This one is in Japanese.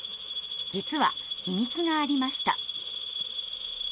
実は秘密がありました。